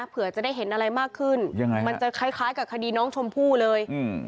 เผื่อจะได้เห็นอะไรมากขึ้นยังไงมันจะคล้ายกับคดีน้องชมพู่เลย